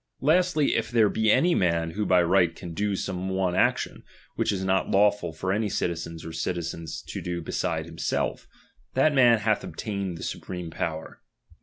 Lastly, if there be any man who by right can do some one action, which is not lawful for any citizen or citizens to do beside himself, that man hath ob taiued the supreme power.